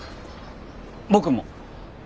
僕も。